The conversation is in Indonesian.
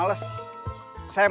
kalau ke kantor kamu sendirian